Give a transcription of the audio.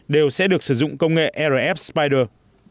đều sẽ được sử dụng công nghệ rf spider